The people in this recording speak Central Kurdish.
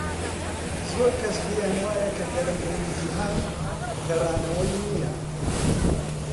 زۆر کەس پێیان وایە کە گەرمبوونی جیهانی گەڕانەوەی نییە.